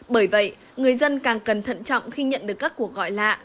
bởi vậy người dân càng cẩn thận trọng khi nhận được các cuộc gọi lạ